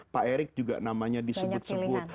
pak erick juga namanya disebut sebut